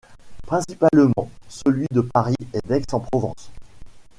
Principalement, celui de Paris et d'Aix-en-Provence.